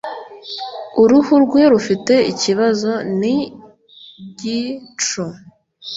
uruhu rwe rufite ikibazo , nigicu.